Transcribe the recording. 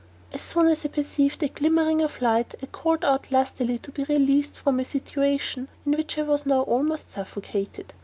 As soon as I perceived a glimmering of light I called out lustily to be released from a situation in which I was now almost suffocated.